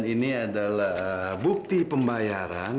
dan ini adalah bukti pembayaran